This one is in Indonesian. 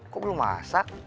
kok belum masak